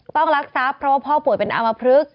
รักทรัพย์เพราะว่าพ่อป่วยเป็นอามพลึก